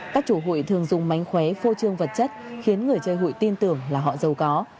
các chủ hụi thường dùng mánh khóe phô trương vật chất khiến người chơi hụi tin tưởng là họ giàu có